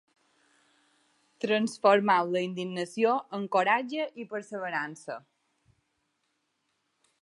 Transformeu la indignació en coratge i perseverança.